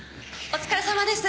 お疲れさまです。